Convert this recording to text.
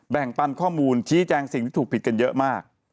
ปันข้อมูลชี้แจงสิ่งที่ถูกผิดกันเยอะมาก